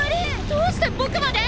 どうしてぼくまで！？